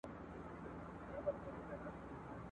او یو ځل وای په خدایي خلکو منلی ..